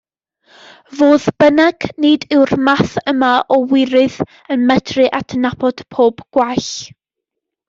Fodd bynnag, nid yw'r math yma o wirydd yn medru adnabod pob gwall.